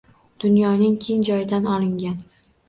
Dunyoning keng joyidan olingan